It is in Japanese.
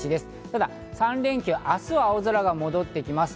ただ３連休、明日は青空が戻ってきます。